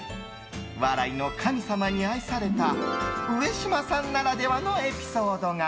笑いの神様に愛された上島さんならではのエピソードが。